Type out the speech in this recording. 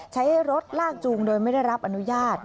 ใช้รถลากจูงโดยไม่ได้รับอนุญาต